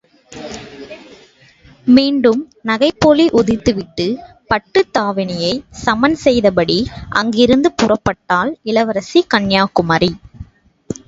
மீண்டும் நகைப்பொலி உதிர்த்துவிட்டு, பட்டுத் தாவணியைச் சமன் செய்தபடி அங்கிருந்து புறப்பட்டாள் இளவரசி கன்யாகுமரி!